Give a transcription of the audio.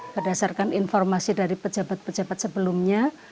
berdasarkan informasi dari pejabat pejabat sebelumnya